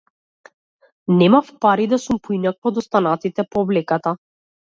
Немав пари да сум поинаква од останатите по облеката.